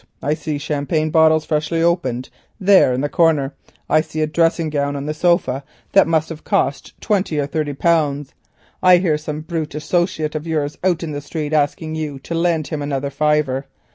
I see champagne bottles freshly opened there in the corner. I see a dressing gown on the sofa that must have cost twenty or thirty pounds. I hear some brute associate of yours out in the street asking you to lend him another 'fiver.